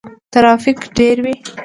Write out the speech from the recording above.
ترافیک ډیر وي.